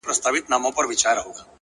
دا له هغه مرورو مرور دی!!